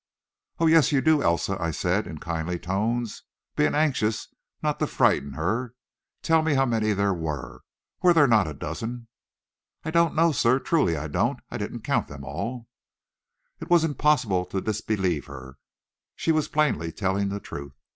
"Oh, yes, you do, Elsa," I said in kindly tones, being anxious not to frighten her; "tell me how many there were. Were there not a dozen?" "I don't know, sir; truly I don't. I didn't count them at all." It was impossible to disbelieve her; she was plainly telling the truth.